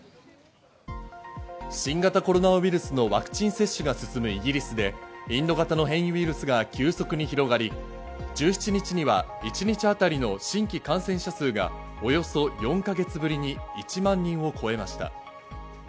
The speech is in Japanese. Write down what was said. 新型コロナウイルスのワクチン接種が進むイギリスで、インド型の変異ウイルスが急速に広がり、１７日には一日当たりの新規感染者数がおよそ４か月ぶりに１万人を超えました。